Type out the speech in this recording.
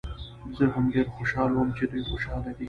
زه هم ډېر خوشحاله وم چې دوی خوشحاله دي.